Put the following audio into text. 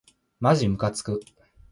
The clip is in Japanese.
まじむかつく